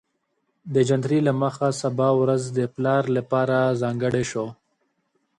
د جنتري له مخې سبا ورځ د پلار لپاره ځانګړې شوې